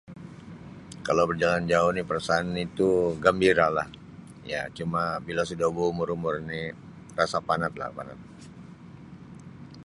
Kalau berjalan jauh ni perasaan itu gembiralah cuma bila sudah berumur-umur ini rasa panat lah panat.